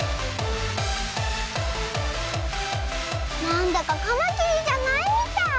なんだかカマキリじゃないみたい。